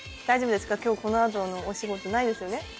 大丈夫ですか今日このあとのお仕事ないですよね？